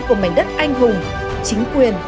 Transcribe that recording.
của mảnh đất anh hùng chính quyền